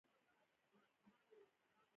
دښمن په منځ کې تېر کړو.